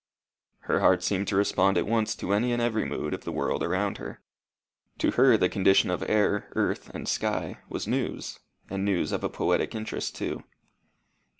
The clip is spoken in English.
Her heart seemed to respond at once to any and every mood of the world around her. To her the condition of air, earth, and sky was news, and news of poetic interest too.